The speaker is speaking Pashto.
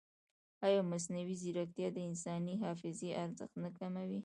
ایا مصنوعي ځیرکتیا د انساني حافظې ارزښت نه کموي؟